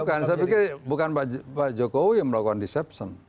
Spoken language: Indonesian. bukan saya pikir bukan pak jokowi yang melakukan deception